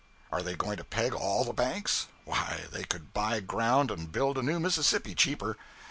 Are they going to peg all the banks? Why, they could buy ground and build a new Mississippi cheaper.